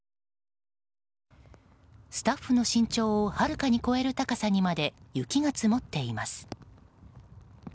スタッフの身長をはるかに超える高さにまで雪が積もっています。